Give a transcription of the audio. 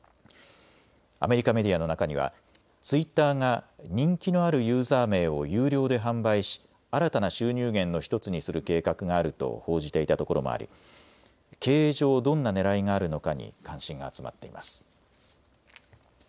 アメリカメディアの中にはツイッターが人気のあるユーザー名を有料で販売し新たな収入源の１つにする計画があると報じていたところもあり経営上どんなねらいがあるのかに関心が集まっています。